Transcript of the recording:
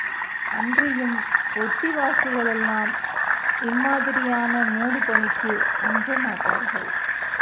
அன்றியும் ஒத்திவாசிகளெல்லாம், இம்மாதிரியான மூடு பனிக்கு அஞ்சமாட்டார்கள்!